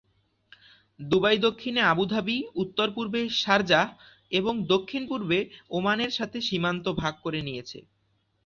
Dubai দক্ষিণে Abu Dhabi, উত্তর-পূর্বে Sharjah এবং দক্ষিণ-পূর্বে ওমানের সাথে সীমান্ত ভাগ করে নিয়েছে।